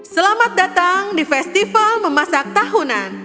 selamat datang di festival memasak tahunan